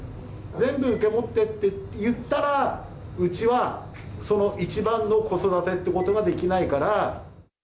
全部受け持ってっていったら、うちはその一番の子育てっていうことができないから。